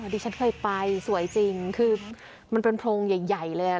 ดิฉันเคยไปสวยจริงคือมันเป็นโพรงใหญ่เลย